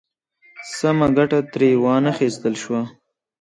سمه ګټه ترې وا نخیستل شوه.